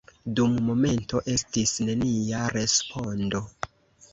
Dum momento estis nenia respondo.